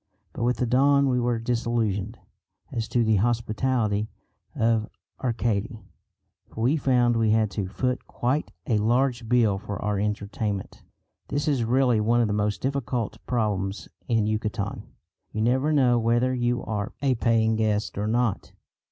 But with the dawn we were disillusioned as to the hospitality of Arcady, for we found we had to "foot" quite a large bill for our entertainment. This is really one of the most difficult problems in Yucatan. You never know whether you are a paying guest or not.